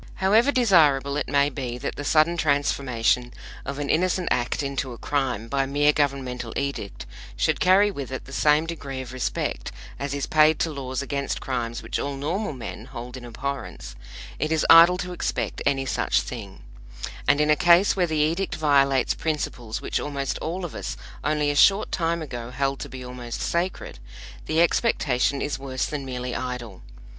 However desirable it may be that the sudden transformation of an innocent act into a crime by mere governmental edict should carry with it the same degree of respect as is paid to laws against crimes which all normal men hold in abhorrence, it is idle to expect any such thing; and in a case where the edict violates principles which almost all of us only a short time ago held to be almost sacred, the expectation is worse than merely idle.